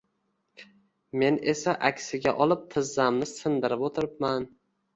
Men esa aksiga olib tizzamni sindirib o`tiribman